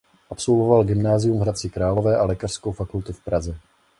Absolvoval gymnázium v Hradci Králové a lékařskou fakultu v Praze.